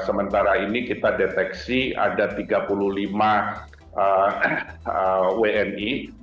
sementara ini kita deteksi ada tiga puluh lima wni